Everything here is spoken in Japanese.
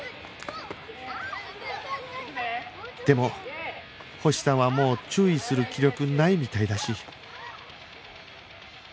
でも星さんはもう注意する気力ないみたいだし